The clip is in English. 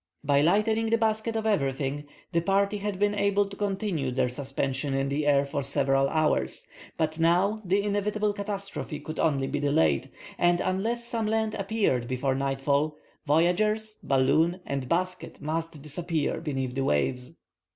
By lightening the basket of everything the party had been able to continue their suspension in the air for several hours, but now the inevitable catastrophe could only be delayed, and unless some land appeared before nightfall, voyagers, balloon, and basket must disappear beneath the waves.